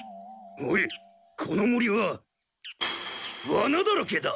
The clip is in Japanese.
おいこの森はワナだらけだ。